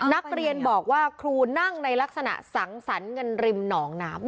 นักเรียนบอกว่าครูนั่งในลักษณะสังสรรค์กันริมหนองน้ำ